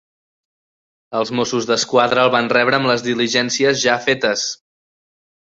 Els Mossos d'Esquadra el van rebre amb les diligències ja fetes.